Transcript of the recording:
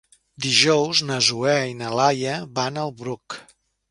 Dijous na Zoè i na Laia van al Bruc.